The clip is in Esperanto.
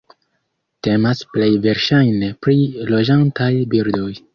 Temas plej verŝajne pri loĝantaj birdoj.